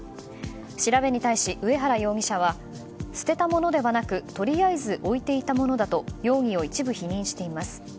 調べに対し上原容疑者は捨てたものではなくとりあえず置いていたものだと容疑を一部否認しています。